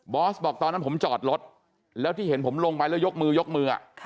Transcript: อสบอกตอนนั้นผมจอดรถแล้วที่เห็นผมลงไปแล้วยกมือยกมือ